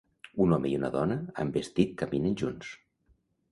Un home i una dona amb vestit caminen junts.